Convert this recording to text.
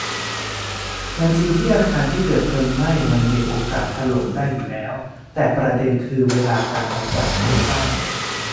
มันจริงที่อาคารที่เกิดเพลิงไหม้มันมีโอกาสถล่มได้อยู่แล้ว แต่ประเด็นคือเวลาการออกแบบโครงสร้าง